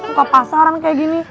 muka pasaran kayak gini